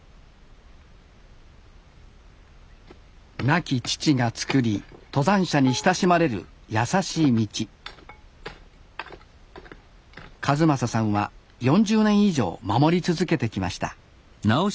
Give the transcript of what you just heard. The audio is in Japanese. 亡き父が作り登山者に親しまれるやさしい道一正さんは４０年以上守り続けてきました